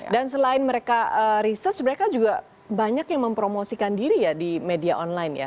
dan selain mereka research mereka juga banyak yang mempromosikan diri ya di media online ya